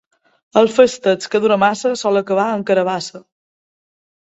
El festeig que dura massa sol acabar amb carabassa.